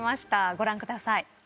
ご覧ください。